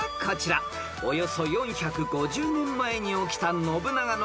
［およそ４５０年前に起きた信長の後継者争いです］